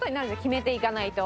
決めていかないと。